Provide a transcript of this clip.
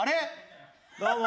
どうも！